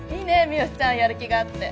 三好ちゃんはやる気があって。